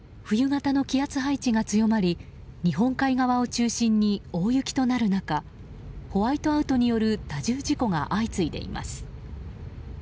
冬型の気圧配置が強まり日本海側を中心に大雪となる中ホワイトアウトによる多重事故が相次いでいます。